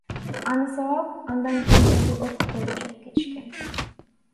Аны сабап, андан кийин үйгө өрт коюп чыгып кетишкен.